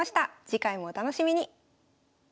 次回もお楽しみに。